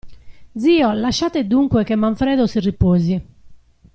Zio, lasciate dunque che Manfredo si riposi!